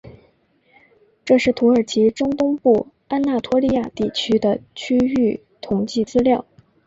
这是土耳其中东部安那托利亚地区的区域统计资料。